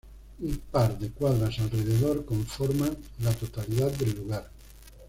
Un par de cuadras alrededor conforman la totalidad del lugar.